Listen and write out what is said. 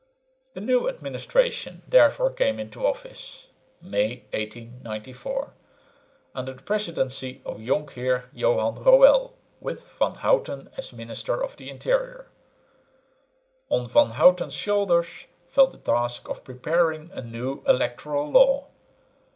A new administration therefore came into office (May, 1894) under the presidency of Jonkheer Johan Roëll with Van Houten as minister of the interior. On Van Houten's shoulders fell the task of preparing a new electoral law.